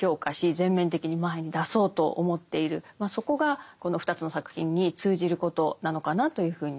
全面的に前に出そうと思っているそこがこの２つの作品に通じることなのかなというふうに思います。